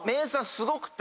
すごくて。